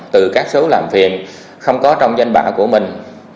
từ các số làm phiền không có trong danh bạ của mình